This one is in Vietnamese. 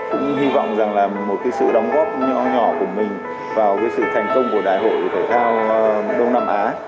cũng hy vọng rằng là một cái sự đóng góp nhỏ nhỏ của mình vào cái sự thành công của đại hội thể thao đông nam á